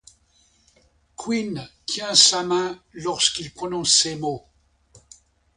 Quinn tient sa main lorsqu'il prononce ces mots.